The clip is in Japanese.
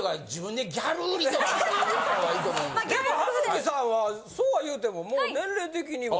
でも葉月さんはそうは言うてももう年齢的には。